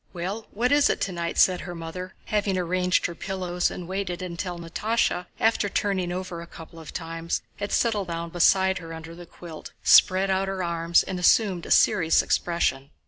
"Well, what is it tonight?" said the mother, having arranged her pillows and waited until Natásha, after turning over a couple of times, had settled down beside her under the quilt, spread out her arms, and assumed a serious expression.